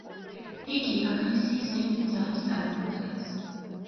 იგი აგრესიის ერთ-ერთ სახეს წარმოადგენს.